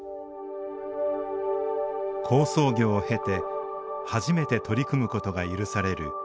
好相行を経て初めて取り組むことが許される